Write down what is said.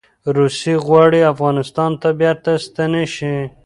روسې غواړي افغانستان ته بیرته ستنې شي.